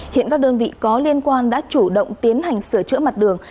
hiện các đơn vị có liên quan đã chủ động tiến hành sửa chữa mặt đường